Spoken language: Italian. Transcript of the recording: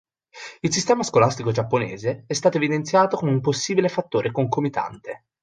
Il sistema scolastico giapponese è stato evidenziato come un possibile fattore concomitante.